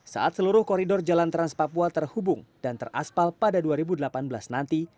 saat seluruh koridor jalan trans papua terhubung dan teraspal pada dua ribu delapan belas nanti